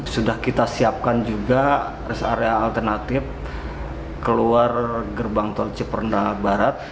sudah kita siapkan juga rest area alternatif keluar gerbang tol ciperhendak barat